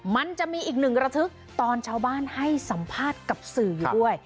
มันจะมีอีกหนึ่งระทึกตอนชาวบ้านให้สัมภาษณ์กับสื่ออยู่ด้วย